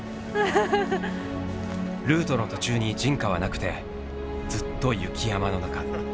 ルートの途中に人家はなくてずっと雪山の中。